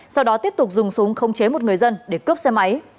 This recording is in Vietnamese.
sau đó tiếp tục dùng súng khống chế một người dân để cướp xe máy